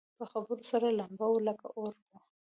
په خبرو سره لمبه وه لکه اور وه